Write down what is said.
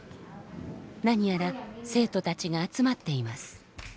何やら生徒たちが集まっています。